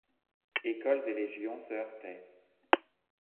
Écoles et légions se heurtaient.